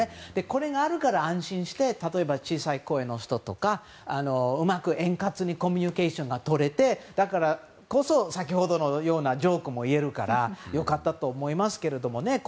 これがあるから安心して例えば小さい声の人とかうまく円滑にコミュニケーションがとれてだからこそ、先ほどのようなジョークも言えるから良かったと思いますけどね。